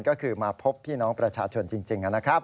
ก็คือมาพบพี่น้องประชาชนจริงนะครับ